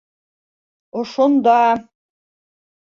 Ошонда!